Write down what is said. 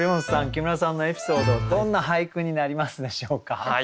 木村さんのエピソードどんな俳句になりますでしょうか？